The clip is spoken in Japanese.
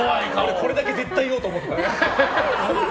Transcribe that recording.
これだけは絶対言おうと思って。